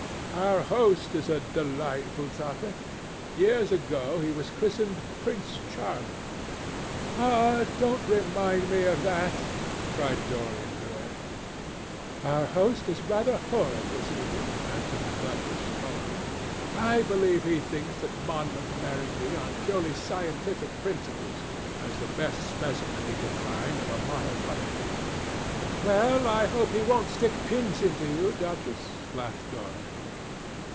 "Our host is a delightful topic. Years ago he was christened Prince Charming." "Ah! don't remind me of that," cried Dorian Gray. "Our host is rather horrid this evening," answered the duchess, colouring. "I believe he thinks that Monmouth married me on purely scientific principles as the best specimen he could find of a modern butterfly." "Well, I hope he won't stick pins into you, Duchess," laughed Dorian.